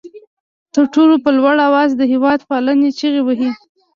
تر ټولو په لوړ آواز د هېواد پالنې چغې وهي.